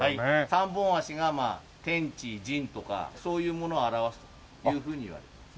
３本足が天・地・人とかそういうものを表すというふうにいわれています。